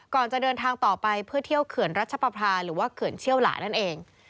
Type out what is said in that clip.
ก่อนจะเดินทางต่อไปเพื่อเที่ยวเขื่อนรัชปภาหรือว่าเขื่อนเชี่ยวหลานั่นเอง